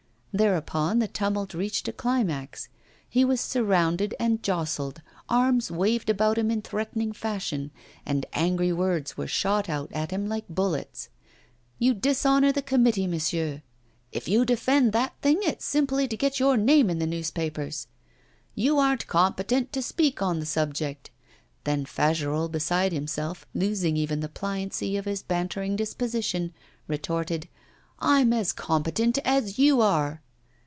Thereupon the tumult reached a climax. He was surrounded and jostled, arms waved about him in threatening fashion, and angry words were shot out at him like bullets. 'You dishonour the committee, monsieur!' 'If you defend that thing, it's simply to get your name in the newspapers!' 'You aren't competent to speak on the subject!' Then Fagerolles, beside himself, losing even the pliancy of his bantering disposition, retorted: 'I'm as competent as you are.